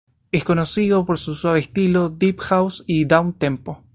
Es conocido por su suave estilo de deep house y downtempo.